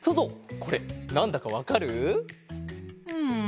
これなんだかわかる？ん。